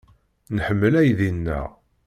Nḥemmel aydi-nneɣ.